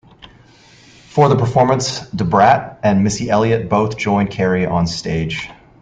For the performance, Da Brat and Missy Elliott both joined Carey on-stage.